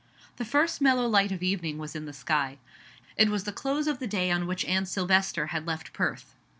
The first mellow light of evening was in the sky. It was the close of the day on which Anne Silvester had left Perth.